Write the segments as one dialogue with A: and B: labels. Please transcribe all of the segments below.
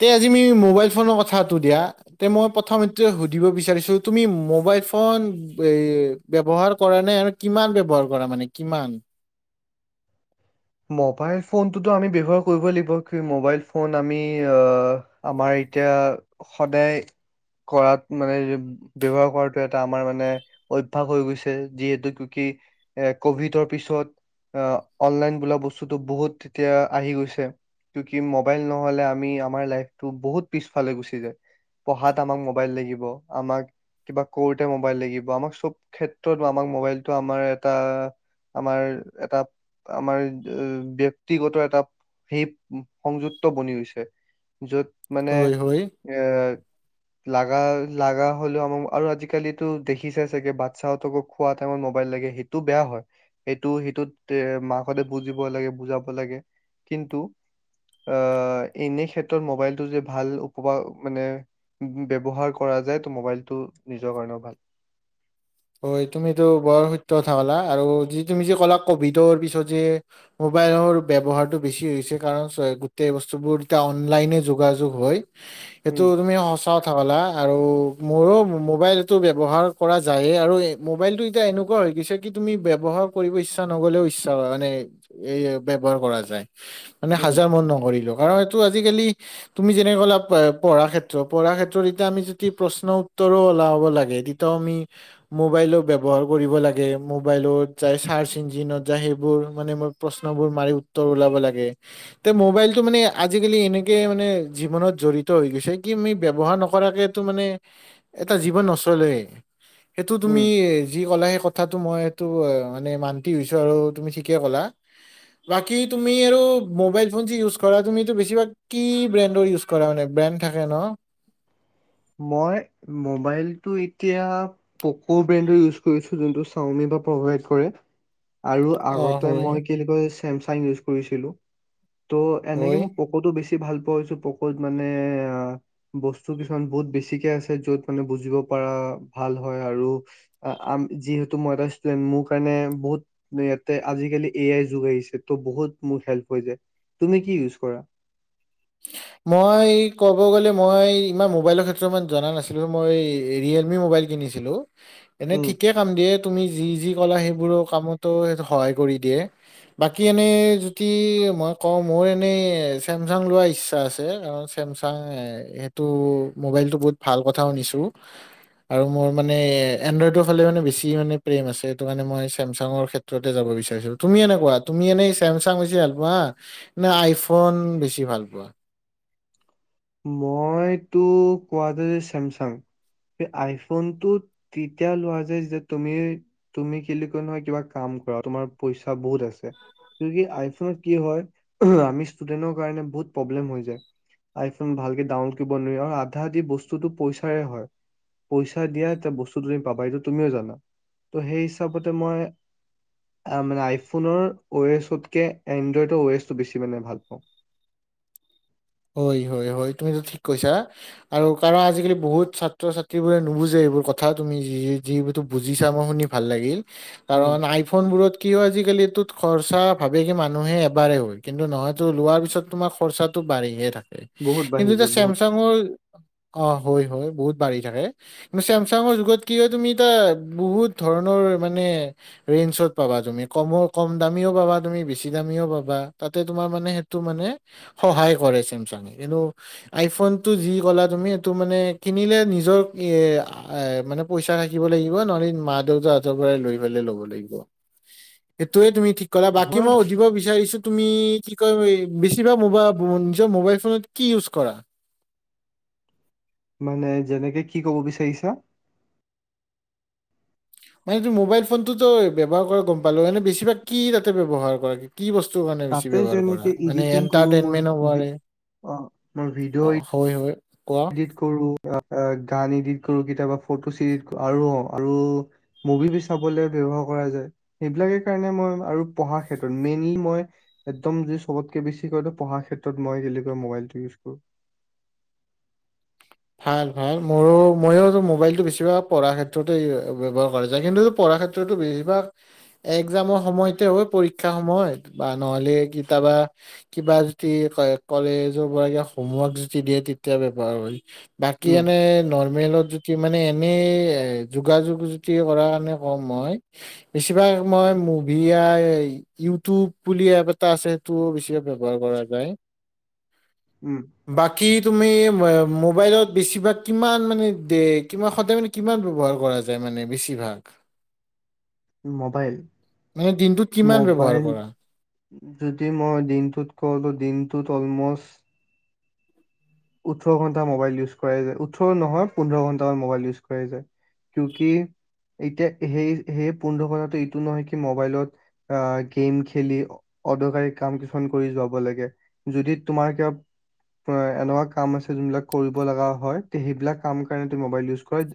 A: তে আজি আমি মোবাইল ফোনৰ কথাটো দিয়া। তে, মই প্ৰথমে সুধিব বিচাৰিছো তুমি মোবাইল ফোন ব্যৱহাৰ কৰানে আৰু কিমান ব্যৱহাৰ কৰা। মানে কিমান?
B: মবাইল ফোনটোতো আমি ব্যৱহাৰ কৰিবই লাগিব। কি, মোবাইল ফোন আমি আমাৰ এতিয়া সদায় কৰাত মানে, ব্যৱহাৰ কৰাটো এটা আমাৰ মানে, অভ্যাস হৈ গৈছে। যিহেতু, কি কভিডৰ পিছত অনলাইন বোলা বস্তুটো বহুত তেতিয়া আহি গৈছে কি কি মোবাইল নহ'লে আমি আমাৰ লাইফতটো বহুত পিছফালে গুচি যায়। পঢ়াত আমাক মবাইল লাগিব, আমাক কিবা কৰোতে মবাইল লাগিব, আমাক চব ক্ষেত্ৰত আমাক মবাইলতটো আমাৰ এটা আমাৰ এটা আমাৰ ব্যক্তিগত এটা সেই সংযুক্ত বনি গৈছে। য'ত মানে
A: হয় হয়
B: এ লাগা লাগা হ'লেও আমাক আৰু আজিকালিটো দেখিছাই চাগে বাচ্ছাহঁতকো খোৱা টাইমত মবাইল লাগে সেইটো বেয়া হয়, সেইটো সেইটোত মাকহঁতে বুজিব লাগে বুজাব লাগে কিন্তু আ, এনে ক্ষেত্ৰত মোবাইলটো যে, ভাল উপব মানে ব্যৱহাৰ কৰা যায় ত মোবাইলটো নিজৰ কাৰণেও ভাল।
A: হয় তুমিটো বৰ সত্য কথা ক'লা আৰু যি তুমি যে ক'লা কভিডৰ পিছত যে মোবাইলৰ ব্যৱহাৰটো বেছি হৈছে কাৰণ গোটেই বস্তুবোৰ এতিয়া অনলাইনে যোগাযোগ হয়।
B: উম
A: এইটো তুমি সঁচা কথা ক'লা। আৰু মোৰো মোবাইলটো ব্যৱহাৰ কৰা যায়। এ আৰু মোবাইলটো এতিয়া এনেকুৱা হৈ গৈছে কি তুমি ব্যৱহাৰ কৰিব ইচ্ছা নগ'লেও ইচ্ছা মানে এ ব্যৱহাৰ কৰা যায়। মানে
B: উম
A: হাজাৰ মন নকৰিলো কাৰণ এইটো আজি আজিকালি তুমি যেনেকে কলা পঢ়া ক্ষেত্ৰত পঢ়া ক্ষেত্ৰত এতিয়া আমি যদি প্ৰশ্ন উত্তৰো ওলাব লাগে তেতিয়াও আমি মোবাইলৰ ব্যৱহাৰ কৰিব লাগে, মোবাইলত যাই চাৰ্চ ইঞ্জিনত যাই সেইবোৰ মানে মই প্ৰশ্নবোৰ মাৰি উত্তৰ ওলাব লাগে, তে মোবাইলটো মানে আজিকালি এনেকে মানে জীৱনত জৰিত হৈ গৈছে কি আমি ব্যৱহাৰ নকৰাকে তো মানে এটা জীৱন নচলে। সেইটো তুমি
B: উম
A: যি ক'লা সেই কথা কথাটো মই সেইটো এ মানে মান্তি হৈছোঁ আৰু তুমি ঠিকে কলা, বাকী তুমি আৰু মোবাইল ফোন যি ইউজ কৰা তুমিতো বেছিভাগ কি ব্ৰেণ্ডৰ ইউজ কৰা মানে? ব্ৰেণ্ড থাকে ন।
B: মই মবাইলটো এতিয়া পকৌ ব্ৰেণ্ডৰ ইউজ কৰিছোঁ যোনটো চাওঁমি পৰা প্ৰভাইড কৰে। আৰু
A: অ
B: আগতে
A: হয়
B: মই কি [unintelligible] চেমচাং ইউজ কৰিছিলো। ত' এনেকে
A: হয়
B: মোক পকতো বেছি ভাল পোৱা পাছত [unintelligible] মানে বস্তু কিছুমান বহুত বেছিকে আছে যত বুজিব পৰা ভাল হয় আৰু আ যিহেতু মই এটা ষ্টোদেন্ট মোৰ কাৰণে বহুত ইয়াতে আজিকালি এআই যুগ আহিছে, ট বহুত মোক হেলপ হৈ ৷ তুমি কি ইউজ কৰা?
A: মই ক'ব গ'লে মই ইমান মোবাইলৰ ক্ষেত্ৰত ইমান জনা নাছিলো, মই ৰিয়েলমি মোবাইল কিনিছিলো এনে
B: উম।
A: ঠিকে কাম দিয়ে তুমি যি যি কলা সেইবোৰো কামতো সেইটো সহায় কৰি দিয়ে বাকী এনে যুতি মই কওঁ মোৰ এনেই চেমচাং লোৱা ই ইচ্ছা আছে৷ চেমচাং সেইটো মোবাইলতটো বহুত ভাল কথাও শুনিছো। আৰু মোৰ মানে এনড্ৰইডৰ ফালে মানে বেছি মানে প্ৰেম আছে সেইটো মানে মই চেমচাঙৰ ক্ষেত্ৰতে যাব বিচাৰিছো। তুমি এনে কোৱা তুমি এনেই চেমচাং বেছি ভাল পোৱা, না আইফোন বেছি ভাল পোৱা?
B: মইতো কোৱা যায় চেমচাং, আইফোনটো তেতিয়া লোৱা যে যেতিয়া তুমি, তুমি কিলি কয় নয় কিবা কাম কৰা তোমাৰ পইচা বহুত আছে, আইফোনত কি হয় আমি ষ্টুডেন্টৰ কাৰণে বহুত প্ৰব্লেম হৈ যায়৷ আইফোন ভালকে ডাউনলোড কৰিব নোৱাৰি আৰু আধা বস্তুতটো পইচাৰে হয়, পইচা দিয়া বস্তুটো পাবা এইটো তুমিও জানা ত' সেই হিচাপতে মই মানে আইফোনৰ অয়েছতকে এনড্ৰইডৰ অয়েছটো বেছি মানে ভাল পাওঁ৷
A: হয়, হয়, হয় তুমিতো ঠিক কৈছা আৰু কাৰণ আজিকালি বহুত ছাত্ৰ ছাত্ৰীবোৰে নুবুজে এইবোৰ কথা তুমি যি যিবো বুজিছা মই শুনি ভাল লাগিল৷
B: উম
A: কাৰণ আইফোন বোৰত কি হয় আজিকালিটো খৰচা ভাবে কি মানুহে এবাৰে হয়, কিন্তু নহয়তো লোৱাৰ পিছত তোমাৰ খৰচাটো বাঢ়িহে থা-
B: বহুত
A: এইটো
B: বাঢ়িছে
A: ত
B: বহুত
A: চেমচাঙৰ অ হয় হয় বহুত বাঢ়ি থাকে, চেমচাংৰ যুগত কি হয় এতিয়া বহুত ধৰণৰ মানে ৰেনচত পাবা তুমি, মানে কম দামীও পাবা তুমি, বেছি দামীও পাবা, তাতে তোমাৰ মানে সেইটো মানে সহায় কৰে চেমচাঙে, কিন্তু আইফোনটো যি কলা তুমি সেইটো মানে কিনিলে নিজৰ মানে পইচা থাকিব লাগিব নহলে মা দেউতাহতৰ পৰাই লৈ পেল ল'ব লাগিব। এইটোয়ে তুমি ঠিক কলা' বাকী
B: হয়
A: মই উধিব বিচাৰিছো তুমি কি কয় বেছিভাগ মোবা নিজৰ মোবাইল ফোনত কি ইউজ কৰা
B: মানে যেনেকে কি কব বিচাৰিছা?
A: মানে তই মোবাইল ফোনটোতো ব্যৱহাৰ কৰা গম পালো এনে বেছিভাগ কি তাতে ব্যৱহাৰ কৰা কি বস্তু মানে বেছি
B: তাতে
A: ব্যৱহাৰ কৰা
B: যেনেকে
A: মানে
B: ইডিটিং কৰো
A: এন্টাৰটেনমেন্ট এভাৰ
B: মই
A: ৱে অ হয় হয় কোৱা
B: ইডিট কৰো, গান ইডিট কৰো কেতিয়াবা ফটোচ ই আৰু আৰু মুভি বি চাবলে ব্যাবহাৰ কৰা যায়। সেইবিলাকে কাৰণে আৰু মই পঢাৰ ক্ষেত্ৰত মেইনলি মই একমদ চবতকে বেছি কৈ পঢ়াৰ ক্ষেত্ৰত মই কডেলিকৈ মবাইলটো বেছিকৈ ইউজ কৰো
A: ভাল ভাল, মোৰো মইওটো মোবাইলতটো বেছিভাগ পঢ়াৰ ক্ষেত্ৰতে ব্যৱহাৰ কৰি যায়, কিন্তু পঢ়াৰ ক্ষেত্ৰতো বেছিভাগ এক্জামৰ সময়তে হয় পৰীক্ষাৰ সমূহ হয়, বা নহলে কিতাবা কিবা যদি কলেজৰ পৰা হোম ৰ্ক যদি দিয়ে তেতিয়া ব্যৱহাৰ হয় বাকী
B: উম
A: এনে লৰ মেইলত যদি মানে এনেই এ যোগাযোগ য কৰা কাৰণে কম হয়, বেছিভাগ মই আই মুভি ইউটিউব বুলি এপ এটা আছে সেইটো বেছি ব্যৱহাৰ কৰা যায়
B: উম
A: বাকী তুমি মোবাইলত বেছিভাগ কিমান মানে দে কি সদায় মানে কিমান ব্যৱহাৰ কৰা যায় মানে বেছিভাগ?
B: মোবাইল
A: মানে দিনটোত কিমান ব্যৱহাৰ
B: মোবাইল
A: কৰা?
B: যদি মই দিনটোত কওঁতো দিনটোত অলম'ষ্ট ওঠৰ ঘন্টা মবাইল ইউজ কৰা যায়, ওঠৰ নহয় পোন্ধৰ ঘন্টামান মোবাইল ইউজ কৰাই যায়। কিও কি এতিয়া সেই সেই পোন্ধৰ ঘন্টাটো এইটো নহয় কি মোবাইলত গেম খেলি অদৰকাৰী কাম কিছুমান কৰি যোৱাব লাগে, যদি তোমাৰ কিবা এনেকুৱা কাম আছে যোনবিলাক কৰিব লগা হয় সেইবিলাক কাম কাৰণে ত মবাইল ইউজ কৰে,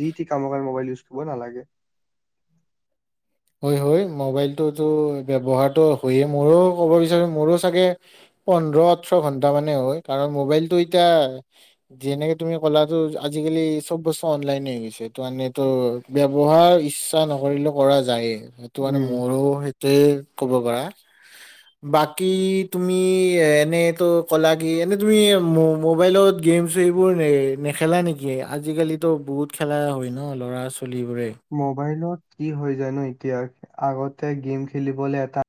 B: যি টি কামৰ কাৰনে মবাইল ইউজ কৰিব নালাগে
A: হয় হয় মোবাইলটোতো ব্যৱহাৰটো হয়য়ে মোৰো ক'ব বিচাৰো মোৰো চাগে পোন্ধৰ ওঠৰ ঘন্টা মানে হয়, কাৰণ মোবাইলটো এতিয়া যেনেকে তুমি ক'লাটো আজিকালি চব বস্তু অনলাইনে হৈ গৈছে, তানেটো ব্যয়ৱহাৰ ইচ্ছা নকৰিলে কৰাযা- যায়েই। সেইটো মানে
B: উম
A: মোৰো- ত ক'ব পাৰা, বাকী তুমি এনেইটো ক'লা কি এনে তুমি মোবাইলত গেম চ সেইবোৰ নেখেলা নেকি? আজিকালিতো বহুত খেলা হয় ন ল'ৰা ছ
B: মোবাইলত কি হৈ জানোঁ এতিয়া? আগতে গেম খেলিবলে এটা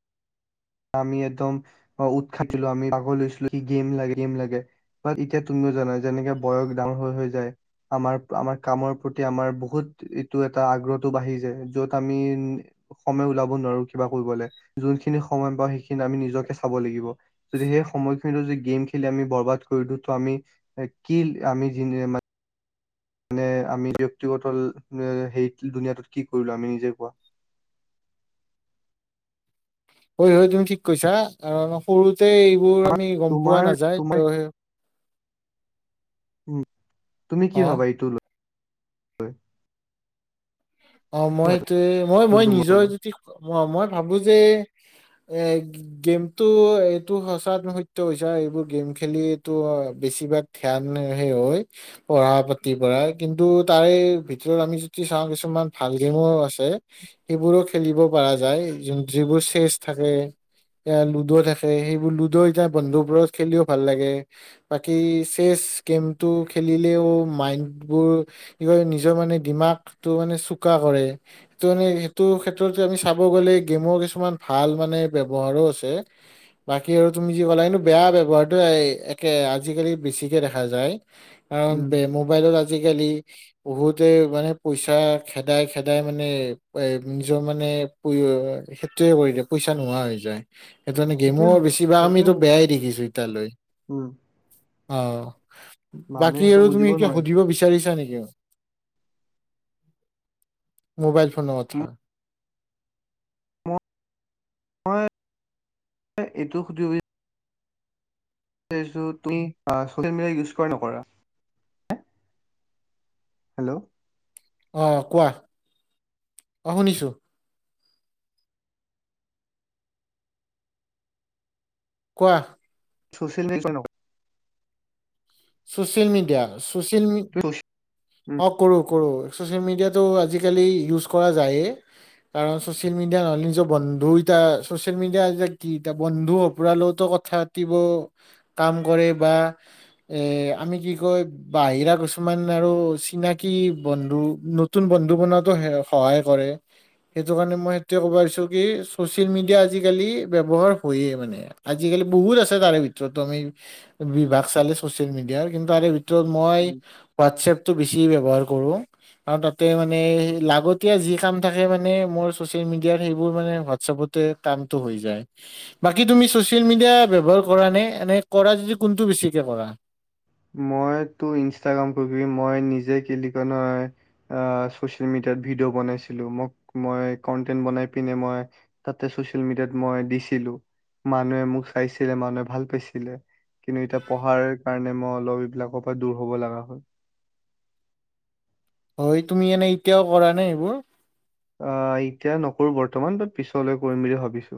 B: আমি একদম অ', উৎসা [unintelligible] আমি আগ লৈছিলো গেম লাগে গেম লাগে বাত এতিয়া তুমিও জানা যেনেকে বয়স ডাঙৰ হৈ হৈ যায় আমাৰ, আমাৰ কামৰ প্ৰতি আমাৰ বহুত এইটো এটা আগ্ৰহটো বাঢ়ি যায়। য'ত আমি সময় ওলাব নোৱাৰোঁ কিবা কৰিবলে যোনখিনি সময় পাওঁ সেইখিনি আমি নিজকে চাব লাগিব। যদি সেই সময়খিনিত যদি গেম খেলি আমি বৰবাদ কৰি দিওঁ তো আমি- কি আমি [unintelligible] মানে আমি ব্যক্তিগত, হেই দুুনীয়াটোত কি কৰিলোঁ আমি নিজে কোৱা।
A: হয় হয় তুমি ঠিক কৈছা, আৰু আমাৰ সৰু তে এইবোৰ আমি গম পোৱা
B: তোমাৰ
A: নাযায়
B: তোমাৰ
A: তো
B: উম্‌- তুমি কি
A: অ
B: ভাবা এইটো লৈ? হয়।
A: অ', মই এইটোয়ে, মই মই
B: যোনটো
A: নিজৰ
B: কলো
A: যদি অ', মই ভাবোঁ যে এ' গে- গেমটো এইটো সঁচাত তো সত্য হৈছা এইবোৰ গেম খেলি এইটো বেছিভাগ ধ্যান হেই হয় পঢ়া-পাতিৰ পৰা, কিন্তু তাৰে ভিতৰত আমি যতি চাওঁ কিছুমান ভাল গেমো আছে। সেইবোৰক খেলিব পাৰা যায়, যোন যিবোৰ চেচ্‌ থাকে, এইয়া লুডো থাকে সেইবোৰ লুডো এতিয়া বন্ধু বোৰত খেলিও ভাল লাগে বাকী চেচ্‌ গেমটো খেলিলেও- মাইণ্ড বোৰ কি হয় নিজৰ মানে ডিমাকটো মানে চু চোকা কৰে। এইটো মানে সেইটো ক্ষেত্ৰত আমি চাব গ'লে গেমৰ কিছুমান ভাল মানে ব্যৱহাৰো আছে। বাকী আৰু তুমি যি কলা কিন্তু বেয়া ব্যৱহাৰটোৱে একে আজিকালি বেছিকে দেখা যায়। কাৰণ
B: উম
A: বে মোবাইলত আজিকালি বহুতে মানে পইচা খেদাই খেদাই মানে এ' নিজৰ মানে সেইটোয়ে কৰি দিয়ে, পইচা নোহোৱা হৈ যায়। সেইটো মানে গেমো
B: সেইটোৱে হয়
A: বেছিভাগ
B: সেইটোৱে
A: আমিতো
B: হয়
A: বেয়াই দেখিছোঁ এতিয়ালৈ।
B: উম
A: অ'
B: মানুহে
A: বাকী
B: সেইটো
A: আৰু তুমি
B: বুজিব
A: এতিয়া
B: নোৱাৰে
A: সুধিব বিচাৰিছা নেকি? [unintelligible] মোবাইল ফোনৰ কথা।
B: ম- মই এইটো সুধিব-বি ছাৰিছো তুমি চচিয়েল মিডিয়া ইউজ কৰা নে নকৰা? হেল্ল'।
A: অহ্‌ কোৱা অ শুনিছোঁ। কোৱা
B: চচিয়েল [unintelligible]
A: চছিয়েল মিডিয়া। চছিয়েল মি-
B: তুমি উম,
A: অ' কৰোঁ কৰোঁ। ছ'চিয়েল মিডিয়াটো আজিকালি ইউজ কৰা যায়েই কাৰণ ছ'চিয়েল মিডিয়া নহ'লে নিজৰ বন্ধু ইতা ছ'চিয়েল মিডিয়া ইতিয়া কি ইতিয়া বন্ধু সপুৰা লগতো কথা পাতিব কাম কৰে বা এ' আমি কি কয়, বাহিৰা কিছুমান আৰু চিনাকি বন্ধু, নতুন বন্ধু বনোৱাতো হে-সহায় কৰে সেইটো কাৰণে মই সেইটোৱে ক'ব পাৰিছো কি ছ'চিয়েল মিডিয়া আজিকালি ব্যৱহাৰ হয়য়ে মানে। আজিকালি বহুত আছে তাৰে ভিতৰতো আমি বিভাগ চালে ছ'চিয়েল মিডিয়াৰ কিন্তু [unintelligible] তো মই
B: উম।
A: হোৱাটছএপ বেছি বৱহাৰ কৰোঁ। আৰু তাতে মানে লাগতিয়াল যি কাম থাকে মানে মোৰ চচিয়েল মিডিয়াৰ সেইবোৰ মানে হোৱাটচ্‌এপতে কামটো হৈ যায়। বাকী তুমি ছ'চিয়েল মিডিয়া ব্যৱহাৰ কৰা নে? এনে কৰা যদি কোনটো বেছিকে কৰা?
B: মইতো ইনষ্টাগ্ৰাম কৰি মই নিজে কি বুলি কয় নহয় 'চিয়েল মিডিয়াত ভিডিঅ' বনাইছিলোঁ। মোক- মই কনটেন্ট বনাই পিনে মই তাতে চচিয়েল মিডিয়াত মই দিছিলো। মানুহে মোক চাইছিলে মানুহে ভাল পাইছিলে। কিন্তু এতিয়া পঢ়াৰ কাৰণে মই লৈ এইবলাকৰ পৰা দূৰ হ'ব লগা হ'ল।
A: হয় তুমি এনে এতিয়াও কৰা নে এইবোৰ?
B: অ' এতিয়া নকৰোঁ বৰ্তমান। বাত্‌ পিছলৈ কৰিম বুলি ভাবিছোঁ।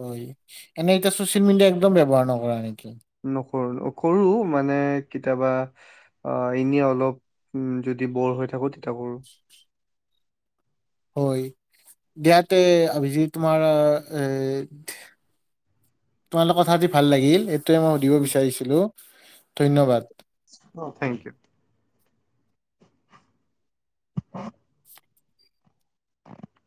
A: হয় এনে এতিয়া ছ'চিয়েল মিডিয়া একদম ব্যৱহাৰ নকৰা নেকি? উ
B: কৰোঁ-অ' কৰোঁ মানে কিতাবা আ' এনে অলপ উম্‌ যদি ব'ৰ হৈ থাকোঁ, তেতিয়া কৰোঁ।
A: হয়, দিয়াতে অভিজিত তোমাৰ, এ, তোমাৰ লগত কথা পাতি ভাল লাগিল সেইটোৱে মই সুধিব বিচাৰিছিলো, ধন্যবাদ।
B: Thank U [unintelligible]